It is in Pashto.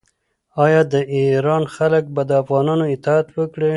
آیا د ایران خلک به د افغانانو اطاعت وکړي؟